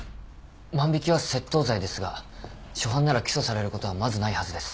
万引は窃盗罪ですが初犯なら起訴されることはまずないはずです。